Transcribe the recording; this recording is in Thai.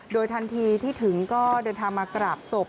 โดยทันทีที่ถึงก็เดินทางมากราบศพ